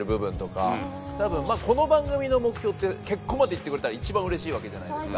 多分この番組の目標って結婚までいってくれたら一番うれしいわけじゃないですか。